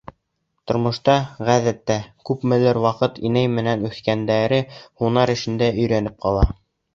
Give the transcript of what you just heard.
Тормошта, ғәҙәттә, күпмелер ваҡыт инәй менән үҫкәндәре һунар эшенә өйрәнеп ҡала.